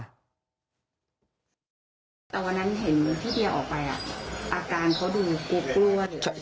ตอนนั้นเห็นพี่เฮียออกไปอ่ะอาการเขาดูกลัว